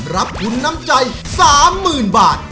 รับทุนน้ำใจ๓๐๐๐บาท